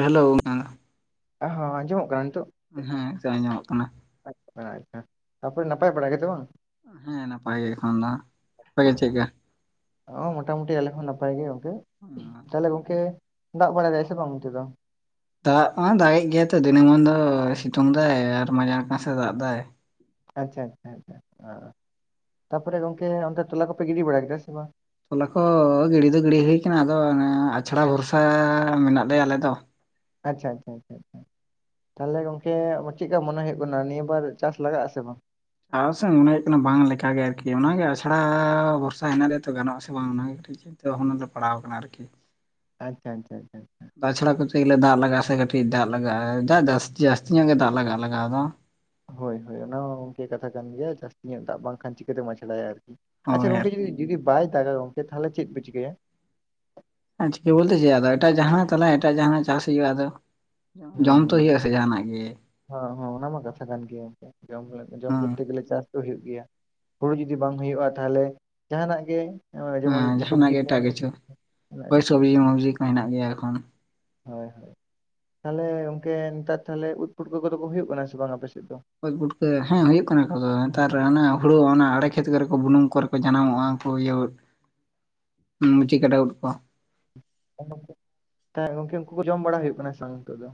Hello [unintelligible] ᱚᱸᱻ ᱦᱚᱸ ᱡᱚᱢᱚᱜ ᱠᱟᱱᱟ ᱱᱤᱛᱚᱜ? ᱦᱮᱸ ᱥᱮ ᱟᱡᱚᱢᱚᱜ ᱠᱟᱱᱟ᱾ ᱟᱪᱷᱟ ᱟᱪᱷᱟ ᱛᱟᱯᱚᱨᱮ ᱱᱟᱯᱟᱭ ᱵᱟᱲᱟ ᱜᱮᱛᱚ ᱵᱟᱝ ᱾ ᱦᱮᱸ ᱱᱟᱯᱟᱭ ᱜᱮ ᱮᱠᱷᱚᱱ ᱫᱚ ᱟᱯᱮ ᱜᱮ ᱪᱮᱫᱠᱟ ᱾ ᱚ ᱢᱚᱴᱟᱢᱩᱴᱤ ᱟᱞᱮ ᱦᱚᱸ ᱱᱟᱯᱟᱭ ᱜᱮ ᱜᱚᱢᱠᱮ ᱛᱟᱦᱞᱮ ᱜᱚᱝᱠᱮ ᱫᱟᱜ ᱵᱟᱲᱟᱭ ᱫᱟᱭ ᱥᱮ ᱵᱟᱝ ᱚᱱᱛᱮ ᱫᱚ ᱾ ᱫᱟᱜ ᱢᱟ ᱫᱟᱜᱮᱜ ᱜᱮᱭᱟ ᱛᱚ ᱫᱤᱱᱟᱹᱢ ᱢᱟᱱ ᱫᱚ ᱥᱤᱛᱩᱝ ᱫᱟᱭ ᱟᱨ ᱢᱟᱡᱟᱱᱠᱟᱱ ᱥᱮ ᱫᱟᱜ ᱫᱟᱭ ᱾ ᱟᱪᱷᱟ ᱟᱪᱷᱟ ᱟᱪᱷᱟ ᱛᱟᱯᱚᱨᱮ ᱜᱚᱝᱠᱮ ᱚᱱᱛᱮ ᱴᱚᱞᱟ ᱠᱚᱯᱮ ᱜᱤᱰᱤ ᱵᱟᱲᱟ ᱠᱮᱫᱟ ᱥᱮ ᱵᱟᱝ ᱾ ᱛᱚᱞᱟ ᱠᱚ ᱜᱤᱲᱤ ᱫᱚ ᱜᱤᱲᱤ ᱦᱩᱭ ᱠᱟᱱᱟ ᱟᱫᱚ ᱚᱱᱮ ᱟᱪᱷᱲᱟ ᱵᱷᱚᱨᱥᱟ ᱢᱮᱱᱟᱜ ᱞᱮᱭᱟ ᱟᱞᱮ ᱫᱚ ᱾ ᱟᱪᱷᱟ ᱟᱪᱷᱟ ᱟᱪᱷᱟ ᱾ ᱛᱟᱦᱚᱞᱮ ᱜᱚᱝᱠᱮ ᱪᱮᱫᱠᱟ ᱢᱚᱱᱮ ᱦᱩᱭᱩᱜᱭᱳᱜ ᱠᱟᱱᱟ ᱱᱤᱭᱟᱹ ᱵᱟᱨ ᱪᱟᱥ ᱞᱟᱜᱟᱜ ᱟᱥᱮ ᱵᱟᱝ ᱾ ᱟᱞᱮ ᱥᱮᱫ ᱢᱚᱱᱮ ᱦᱩᱭᱩᱜ ᱠᱟᱱᱟ ᱵᱟᱝ ᱞᱮᱠᱟᱜᱮ ᱟᱨᱠᱤ ᱚᱱᱟᱜᱮ ᱟᱥᱲᱟ ᱵᱷᱚᱨᱥᱟ ᱦᱮᱱᱟᱜ ᱞᱮᱭᱟ ᱛᱚ ᱜᱟᱱᱚᱜ ᱟᱥᱮ ᱵᱟᱝ ᱚᱱᱟᱜᱮ ᱛᱚ ᱾ ᱱᱤᱛᱚᱜ ᱦᱚ ᱱᱚᱰᱮ ᱯᱟᱲᱟᱣ ᱟᱠᱟᱱᱟ ᱟᱨᱠᱤ ᱾ ᱟᱪᱷᱟ ᱟᱪᱷᱟ ᱟᱪᱷᱟ ᱟᱪᱷᱟ ᱾ ᱛᱟᱪᱷᱟᱲᱟ ᱠᱚᱨᱛᱮ ᱜᱮᱞᱮ ᱫᱟᱜ ᱞᱟᱜᱟᱜᱼᱟ ᱥᱮ ᱠᱟᱹᱴᱤᱡ ᱫᱟᱜ ᱞᱟᱜᱟᱜᱼᱟ ᱫᱟᱜ ᱡᱟᱹᱥᱛᱤ ᱧᱚᱜ ᱜᱮ ᱫᱟᱜ ᱞᱟᱜᱟᱜᱼᱟ ᱞᱟᱜᱟᱣ ᱟᱫᱚ ᱾ ᱦᱳᱭ ᱦᱳᱭ ᱚᱱᱟ ᱦᱚᱸ ᱜᱚᱝᱠᱮ ᱠᱟᱛᱷᱟ ᱠᱟᱱ ᱜᱮᱭᱟ ᱡᱟᱹᱥᱛᱤ ᱧᱚᱜ ᱫᱟᱜ ᱵᱟᱝ ᱠᱷᱟᱱ ᱪᱤᱠᱟᱹᱛᱮᱢ ᱟᱪᱷᱟᱲᱟᱭᱟ ᱟᱨᱠᱤ ᱾ ᱟᱪᱷᱟ ᱦᱳᱭ ᱜᱚᱢᱠᱮ ᱟᱨᱠᱤ ᱡᱩᱫᱤ ᱡᱩᱫᱤ ᱵᱟᱭ ᱫᱟᱜᱟ ᱜᱚᱢᱠᱮ ᱛᱟᱦᱚᱞᱮ ᱪᱮᱫ ᱯᱮ ᱪᱤᱠᱟᱹᱭᱟ? ᱟᱨ ᱪᱤᱠᱟᱹ ᱵᱚᱞᱛᱮ ᱪᱮ ᱟᱫᱚ ᱮᱴᱟᱜ ᱡᱟᱦᱟᱸᱟᱱᱟᱜ ᱛᱟᱦᱚᱞᱮ ᱮᱴᱟᱜ ᱡᱟᱦᱟᱱᱟᱜ ᱪᱟᱥ ᱦᱩᱭᱩᱜᱼᱟ ᱟᱫᱚ ᱾ ᱦᱩᱸ ᱡᱚᱢ ᱛᱚ ᱦᱩᱸ ᱦᱩᱭᱩᱜ ᱟ ᱥᱮ ᱡᱟᱦᱟᱱᱟᱜ ᱜᱮ ᱾ ᱦᱚᱸ ᱦᱚᱸ ᱚᱱᱟ ᱢᱟ ᱠᱟᱛᱷᱟ ᱠᱟᱱᱜᱮᱭᱟ ᱜᱚᱢᱠᱮ ᱡᱚᱢ ᱦᱚᱞᱮ ᱡᱚᱢ ᱠᱚᱨᱛᱮ ᱦᱮᱸ ᱜᱮᱞᱮ ᱪᱟᱥ ᱾ ᱦᱩᱭᱩᱜ ᱜᱮᱭᱟ ᱦᱩᱲᱩ ᱡᱩᱫᱤ ᱵᱟᱝ ᱦᱩᱭᱩᱜᱼᱟ ᱛᱟᱦᱚᱞᱮ ᱡᱟᱦᱟᱱᱟᱜ ᱜᱮ ᱾ ᱦᱮᱸ ᱡᱮᱢᱚᱱ ᱡᱟᱦᱟᱱᱟᱜ ᱥᱚᱵᱡᱤ ᱜᱮ ᱠᱚ [inaudible] ᱮᱴᱟᱜ ᱠᱤᱪᱷᱩ ᱦᱳᱭ ᱥᱚᱵᱽᱡᱤ ᱢᱚᱵᱽᱡᱤ ᱦᱮᱱᱟᱜ ᱜᱮᱭᱟ ᱮᱠᱷᱚᱱ ᱾ ᱦᱳᱭ ᱦᱳᱭ ᱛᱟᱦᱚᱞᱮ ᱚᱱᱠᱮ ᱱᱮᱛᱟᱨ ᱛᱟᱦᱚᱞᱮ ᱩᱫ ᱯᱩᱴᱠᱟᱹ ᱠᱚᱫᱚ ᱠᱚ ᱦᱩᱭᱩᱜ ᱠᱟᱱᱟ ᱥᱮ ᱵᱟᱝ ᱟᱯᱮᱥᱮᱫ ᱫᱚ ᱾ ᱚᱪ ᱯᱩᱴᱠᱟᱹ ᱦᱮᱸ ᱦᱩᱭᱩᱜ ᱠᱟᱱᱟ ᱠᱚᱫᱚ ᱱᱮᱛᱟᱨ ᱚᱱᱟ ᱦᱩᱲᱳ ᱚᱱᱟ ᱟᱲᱮ ᱠᱷᱮᱛ ᱠᱚᱨᱮ ᱠᱚ ᱵᱩᱱᱩᱢ ᱠᱚᱨᱮ ᱠᱚ ᱡᱟᱱᱟᱢᱚᱜᱼᱟ ᱩᱱᱠᱩ ᱤᱭᱟᱹ ᱾ ᱦ [unintelligible] ᱢᱩᱪᱤᱠᱴᱟ ᱩᱫ ᱠᱚ ᱾ ᱦᱮᱸ ᱜᱚᱢᱠᱮ ᱩᱱᱠᱩ ᱠᱚ ᱡᱚᱢ ᱵᱟᱲᱟ ᱦᱩᱭᱩᱜ ᱠᱟᱱᱟ ᱥᱮ ᱵᱟᱝ ᱱᱤᱛᱚᱜ ᱫᱚ?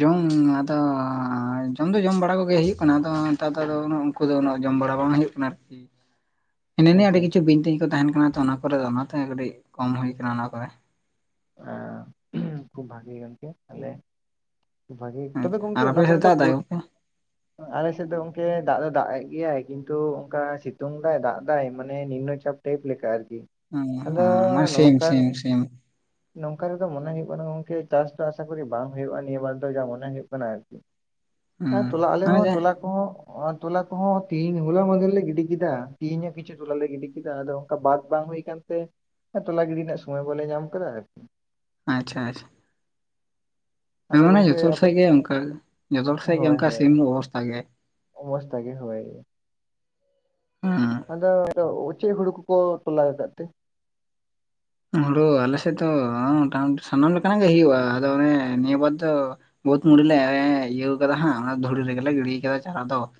ᱡᱚᱢ ᱟᱫᱚ ᱡᱚᱢ ᱫᱚ ᱡᱚᱢ ᱵᱟᱲᱟ ᱠᱚᱜᱮ ᱦᱩᱭᱩᱜ ᱠᱟᱱᱟ ᱟᱫᱚ ᱱᱮᱛᱟᱨ ᱫᱚ ᱟᱫᱚ ᱾ ᱩᱱᱠᱩ ᱫᱚ ᱩᱱᱟᱹᱜ ᱡᱚᱢ ᱵᱟᱲᱟ ᱵᱟᱝ ᱦᱩᱭᱩᱜ ᱠᱟᱱᱟ ᱟᱨᱠᱤ ᱾ ᱦᱤᱱᱟᱹ ᱱᱤᱭᱟᱹ ᱟᱹᱰᱤ ᱟᱪᱪᱷᱟ ᱠᱤᱪᱷᱩ ᱵᱤᱱᱛᱤᱧ ᱠᱚ ᱛᱟᱦᱮᱱ ᱠᱟᱱᱟ ᱛᱚ ᱚᱱᱟ ᱠᱚᱨᱮ ᱚᱱᱟᱛᱮ ᱠᱟᱹᱴᱤᱡ ᱠᱚᱢ ᱦᱩᱭ ᱟᱠᱟᱱᱟ ᱚᱱᱟ ᱠᱚᱨᱮ ᱾ ᱟ ᱠᱷᱩᱵᱽ ᱵᱷᱟᱜᱮ ᱜᱚᱝᱠᱮ ᱛᱟᱦᱞᱮ ᱾ ᱵᱷᱟᱹᱜᱤ ᱛᱚᱵᱮ ᱟᱪᱪᱷᱟ ᱜᱚᱝᱠᱤ ᱟᱨ ᱟᱯᱮ ᱚᱱᱟ ᱥᱮᱫ ᱠᱚᱨᱮ ᱫᱚ ᱫᱟᱜ ᱮᱫᱟᱭ ᱯᱩᱨᱴ ᱜᱚᱝᱠᱮ ᱾ ᱟᱞᱮᱥᱮᱫ ᱫᱚ ᱚᱱᱠᱮ ᱫᱟᱜᱽ ᱫᱚᱭ ᱫᱟᱜᱽ ᱮᱫ ᱜᱮᱭᱟᱭ ᱠᱤᱱᱛᱩ ᱚᱱᱠᱟ ᱥᱤᱛᱩᱝ ᱫᱟᱭ ᱫᱟᱜᱽ ᱫᱟᱭ ᱢᱟᱱᱮ ᱱᱤᱢᱱᱚ ᱪᱟᱯ ᱾ ᱴᱟᱭᱮᱯ ᱞᱮᱠᱟ ᱟᱨ ᱠᱤ ᱾ ᱥᱮᱢ ᱥᱮᱢ ᱥᱮᱢ ᱾ ᱱᱚᱝᱠᱟ ᱨᱮᱫᱚ ᱢᱚᱱᱮ ᱦᱳᱭᱳᱜ ᱠᱟᱱᱟ ᱜᱚᱝᱠᱮ ᱪᱟᱥ ᱫᱚ ᱟᱥᱟ ᱠᱚᱨᱮ ᱵᱟᱝ ᱦᱳᱭᱩᱜᱼᱟ ᱱᱤᱭᱟᱹ ᱵᱟᱨ ᱫᱚ ᱡᱟ ᱢᱚᱱᱮ ᱦᱩᱭᱩᱜᱭᱳᱜ ᱟᱨᱠᱤ ᱾ ᱦᱮᱸ ᱛᱚᱞᱟ ᱟᱞᱮ ᱢᱟᱱᱮ ᱦᱚᱸ ᱡᱟ ᱛᱚᱞᱟ ᱾ ᱠᱚᱦᱚᱸ ᱛᱚᱞᱟ ᱠᱚᱦᱚᱸ ᱛᱤᱦᱤᱸᱜ ᱦᱚᱞᱟ ᱢᱟᱱᱫᱷᱮᱨ ᱞᱮ ᱜᱤᱰᱤ ᱠᱮᱫᱟ ᱛᱤᱦᱤᱧᱟᱹᱜ ᱠᱤᱪᱷᱩ ᱛᱚᱞᱟ ᱞᱮ ᱜᱤᱰᱤ ᱠᱮᱫᱟ ᱟᱫᱚ ᱾ ᱚᱱᱠᱟ ᱵᱟᱫ ᱵᱟᱝ ᱦᱩᱭ ᱟᱠᱟᱱ ᱛᱮ ᱴᱚᱞᱟ ᱜᱤᱰᱤ ᱨᱮᱱᱟᱜ ᱥᱚᱢᱚᱭ ᱵᱟᱞᱮ ᱧᱟᱢ ᱟᱠᱟᱫᱟ ᱟᱨᱠᱤ ᱾ ᱟᱸᱪᱷᱟ ᱟᱪᱷᱟ ᱾ ᱦᱮᱸ ᱟᱫᱚ ᱢᱟᱱᱮ ᱜᱚᱝᱠᱮ ᱡᱚᱛᱚ ᱦᱚᱲ ᱟᱯᱮ ᱥᱮᱜ ᱪᱮᱫ? ᱜᱮ ᱚᱱᱠᱟ ᱡᱚᱛᱚ ᱦᱚᱲ ᱥᱮᱜ ᱜᱮ ᱦᱳᱭ ᱚᱱᱠᱟ ᱦᱳᱭ ᱥᱤᱢ ᱚᱵᱚᱥᱛᱟ ᱜᱮ ᱾ ᱚᱵᱚᱥᱛᱟ ᱜᱮ ᱦᱩᱭ ᱾ ᱦᱸ ᱾ ᱟᱫᱚ ᱚᱪᱮᱜ ᱦᱩᱲᱩ ᱠᱚᱠᱚ ᱛᱚᱞᱟᱣ ᱟᱠᱟᱫ ᱛᱮ? ᱦᱩᱲᱩ ᱟᱞᱮ ᱥᱮᱫᱽ ᱫᱚ ᱢᱚᱴᱟ ᱢᱩᱴᱤ ᱥᱟᱱᱟᱢ ᱞᱮᱠᱟᱱᱟᱜ ᱜᱮ ᱦᱩᱭᱩᱜᱼᱟ ᱟᱫᱚ ᱚᱱᱮ ᱱᱤᱭᱟᱹ ᱵᱟᱨ ᱫᱚ ᱾ ᱵᱩᱦᱩᱛ ᱢᱩᱲᱤ ᱞᱮ ᱤᱭᱟᱹᱣ ᱠᱟᱫᱟ ᱦᱟᱸᱜ ᱚᱱᱟ ᱫᱷᱩᱲᱤ ᱨᱮᱜᱮ ᱞᱮ ᱜᱤᱲᱤᱭ ᱟᱠᱟᱫᱟ ᱪᱟᱨᱟ ᱫᱚ ᱾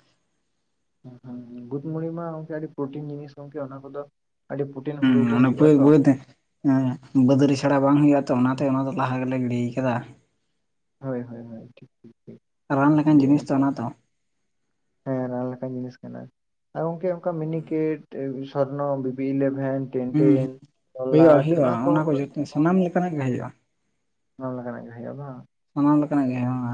ᱦᱸ ᱦᱩᱸ ᱵᱩᱴ ᱢᱚᱱᱤ ᱢᱟ ᱚᱝᱠᱮ ᱟᱹᱰᱤ ᱯᱨᱚᱴᱤᱱ ᱡᱤᱱᱤᱥ ᱜᱚᱝᱠᱮ ᱚᱱᱟ ᱠᱚᱫᱚ ᱾ [unintelligible] ᱵᱟᱹᱭ ᱛᱮ ᱦᱮᱸ ᱵᱟᱹᱫᱽ ᱨᱮᱪᱷᱟᱲᱟ ᱵᱟᱝ ᱦᱩᱭᱩᱜᱼᱟ ᱛᱚ ᱚᱱᱟᱛᱮ ᱚᱱᱟ ᱫᱚ ᱞᱟᱦᱟ ᱜᱮᱞᱮ ᱜᱤᱰᱤᱭ ᱠᱟᱫᱟ᱾ ᱦᱳᱭ ᱦᱳᱭ ᱦᱳᱭ ᱴᱤᱠ ᱴᱤᱠ ᱨᱟᱱ ᱞᱮᱠᱟᱱ ᱟᱹᱰᱤ ᱡᱤᱱᱤᱥ ᱛᱚ ᱱᱟᱯᱟᱭ᱾ ᱚᱱᱟ ᱫᱚ ᱦᱮᱸ ᱨᱟᱱ ᱞᱮᱠᱟᱱ ᱡᱤᱱᱤᱥ ᱠᱟᱱᱟ ᱟᱨ ᱜᱚᱝᱠᱮ ᱚᱱᱠᱟ ᱢᱤᱱᱤᱠᱮᱴ᱾ ᱥᱚᱨᱱᱚ ᱵᱤᱵᱤ ᱤᱞᱮᱵᱷᱮᱱ ᱴᱮᱱ ᱦᱩᱸ ᱴᱮᱱ ᱛᱚᱞᱟᱴ ᱱᱚᱣᱟ ᱠᱚ᱾ ᱚᱝᱠᱟ ᱱᱟᱝ ᱜᱮ ᱦᱩᱭᱩᱜᱩᱜᱼᱟ᱾ ᱚᱱᱟ ᱞᱮᱠᱟᱱᱟᱜ ᱜᱮ ᱦᱩᱭᱩᱜᱼᱟ ᱵᱟᱝ᱾ ᱥᱟᱱᱟᱢ ᱞᱮᱠᱟᱱᱟᱜ ᱜᱮ ᱦᱚᱸᱭᱚᱜᱼᱟ᱾